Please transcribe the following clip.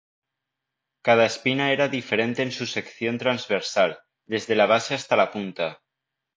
Cada espina era diferente en su sección trasversal, desde la base hasta la punta.